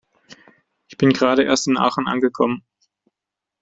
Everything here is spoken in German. Ich bin gerade erst in Aachen angekommen